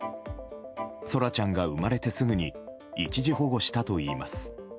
空来ちゃんが生まれてすぐに一時保護したといいます。